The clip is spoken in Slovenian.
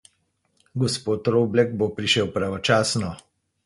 Gospod Roblek bo prišel pravočasno.